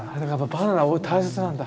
バナナ大切なんだ。